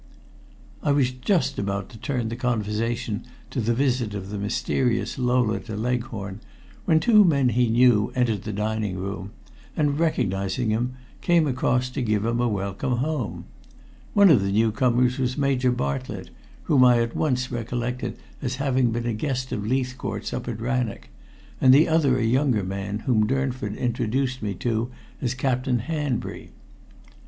I was just about to turn the conversation to the visit of the mysterious Lola to Leghorn, when two men he knew entered the dining room, and, recognizing him, came across to give him a welcome home. One of the newcomers was Major Bartlett, whom I at once recollected as having been a guest of Leithcourt's up at Rannoch, and the other a younger man whom Durnford introduced to me as Captain Hanbury.